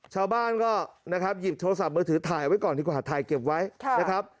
ชาวบ้านก็นะครับหยิบโทรศัพท์มือถือถ่ายไว้ก่อนดีกว่าถ่ายเก็บไว้นะครับ